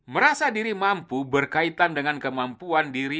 merasa diri mampu berkaitan dengan kemampuan diri